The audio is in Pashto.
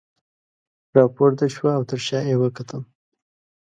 راپورته شوه او تر شاه یې وکتل.